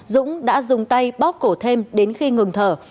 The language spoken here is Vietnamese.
dũng đã dùng tay bóp cổ thêm đến khi ngừng thở